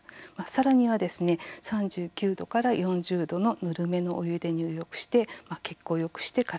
さらには３９度から４０度のぬるめのお湯で入浴して血行をよくして体をリラックスする。